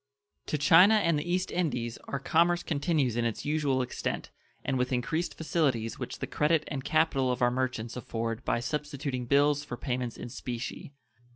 To China and the East Indies our commerce continues in its usual extent, and with increased facilities which the credit and capital of our merchants afford by substituting bills for payments in specie.